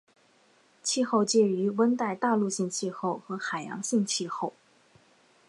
气候介于温带大陆性气候和海洋性气候。